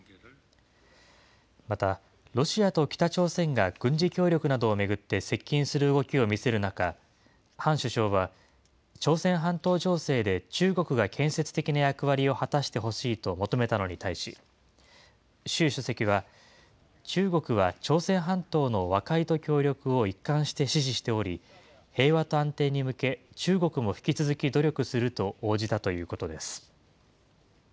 また、ロシアと北朝鮮が軍事協力などを巡って接近する動きを見せる中、ハン首相は、朝鮮半島情勢で中国が建設的な役割を果たしてほしいと求めたのに対し、習主席は、中国は朝鮮半島の和解と協力を一貫して支持しており、平和と安定に向け、中国も引き続き努力すると応じたということです。